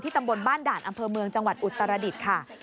ตำบลบ้านด่านอำเภอเมืองจังหวัดอุตรดิษฐ์ค่ะ